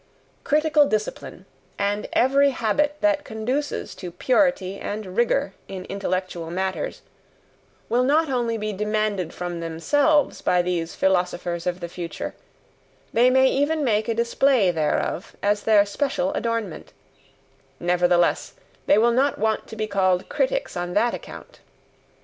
Critical discipline, and every habit that conduces to purity and rigour in intellectual matters, will not only be demanded from themselves by these philosophers of the future, they may even make a display thereof as their special adornment nevertheless they will not want to be called critics on that account.